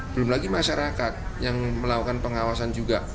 belum lagi masyarakat yang melakukan pengawasan juga